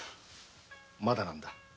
まだなんだ。